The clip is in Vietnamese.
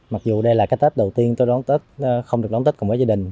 mặc dù đây là cái tết đầu tiên tôi đón tết không được đón tết cùng với gia đình